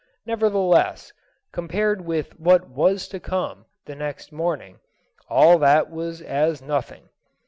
Nevertheless, compared with what was to come the next morning, all that was as nothing.